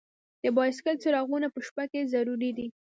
د بایسکل څراغونه په شپه کې ضروری دي.